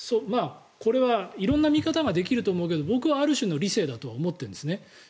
これは色んな見方ができると思うけど僕はある種の理性だとは思っているんですね。